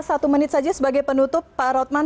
satu menit saja sebagai penutup pak rotman